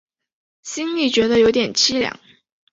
心里觉得有点凄凉